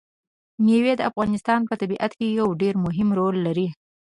مېوې د افغانستان په طبیعت کې یو ډېر مهم رول لري.